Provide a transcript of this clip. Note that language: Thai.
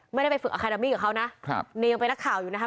ไม่ได้ไปฝึกอาคารามี่กับเขานะครับเนยยังเป็นนักข่าวอยู่นะครับ